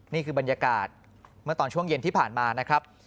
นี่คือบรรยากาศเมื่อตอนช่วงเย็นที่ผ่านมานะครับ